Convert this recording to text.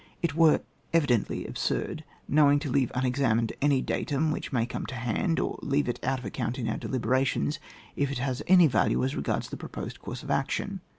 It were evidently absurd know* ingly to leave unexamined any datum which may come to hand, or to leave it out of account in our deliberations, if it has any value as regards the proposed course of action.